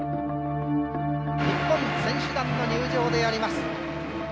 日本選手団の入場であります。